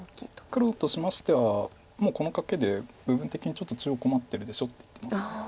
黒としましては「もうこのカケで部分的にちょっと中央困ってるでしょ」って言ってます。